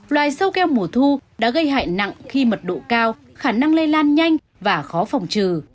loài sâu keo mùa thu đã gây hại nặng khi mật độ cao khả năng lây lan nhanh và khó phòng trừ